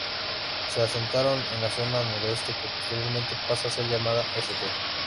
Se asentaron en la zona noroeste que posteriormente pasa a ser llamada St.